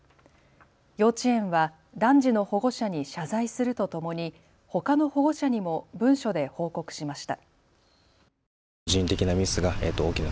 幼稚園は男児の保護者に謝罪するとともにほかの保護者にも文書で報告しました。